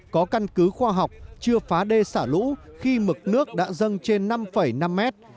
có căn cứ khoa học chưa phá đê xả lũ khi mực nước đã dâng trên năm năm mét